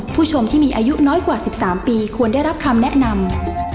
ผู้ชมที่มีอายุน้อยกว่า๑๓ปีควรได้รับคำแนะนำ